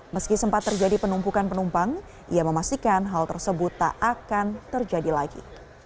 meski sempat terjadi penumpukan penumpang ia memastikan hal tersebut tak akan terjadi lagi